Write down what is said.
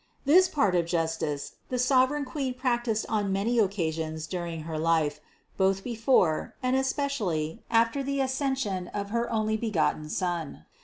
This part of justice the sovereign Queen practiced on many occasions during her life, both before, and espe cially after the Ascension of her onlybegotten Son.